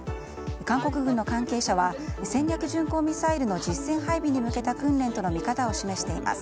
韓国軍の関係者は戦略巡航ミサイルの実戦配備に向けた訓練との見方を示しています。